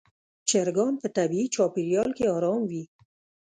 چرګان په طبیعي چاپېریال کې آرام وي.